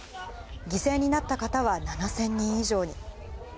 犠牲になった方は７０００人以上に。